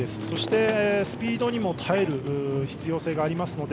そしてスピードにも耐え得る必要性があります。